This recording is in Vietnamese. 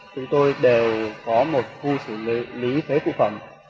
chúng tôi đều có một khu xử lý thuế cụ phẩm